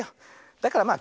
だからまあ